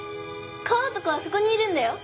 川男はそこにいるんだよ。